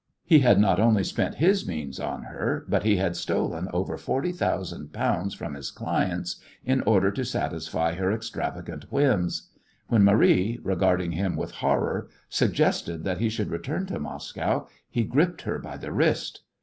He had not only spent his means on her, but he had stolen over forty thousand pounds from his clients in order to satisfy her extravagant whims. When Marie, regarding him with horror, suggested that he should return to Moscow, he gripped her by the wrist.